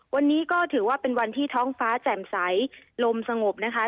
วันนี้ก็ถือว่าเป็นวันที่ท้องฟ้าแจ่มใสลมสงบนะคะ